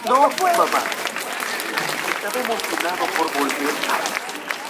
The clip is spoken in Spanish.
En ocasiones se combinaban con dioramas, lo que les dotaba de mayor realismo.